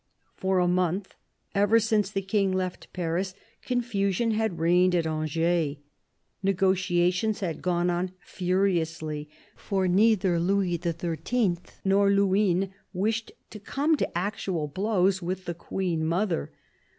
For a month, ever since the King left Paris, confusion had reigned at Angers. Negotiations had gone on furiously, for neither Louis XIII. nor Luynes wished to come to actual blows with the Queen mother.